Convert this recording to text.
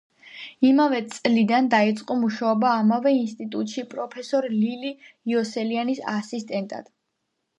იმავე წლიდან დაიწყო მუშაობა ამავე ინსტიტუტში პროფესორ ლილი იოსელიანის ასისტენტად.